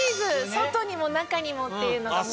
外にも中にもっていうのが。